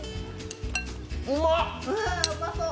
うまっ！